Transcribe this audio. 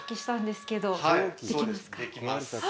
できます。